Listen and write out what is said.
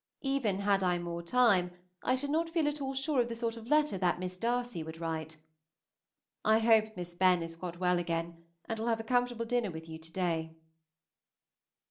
Even had I more time, I should not feel at all sure of the sort of letter that Miss D. would write. I hope Miss Benn is got well again, and will have a comfortable dinner with you to day.